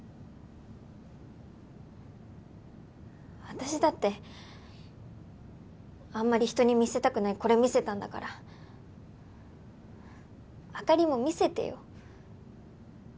私だってあんまり人に見せたくないこれ見せたんだから朱里も見せてよ。